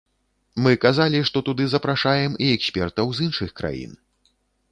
Мы казалі, што туды запрашаем і экспертаў з іншых краін.